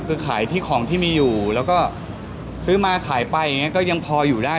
คือขายที่ของที่มีอยู่แล้วก็ซื้อมาขายไปอย่างนี้ก็ยังพออยู่ได้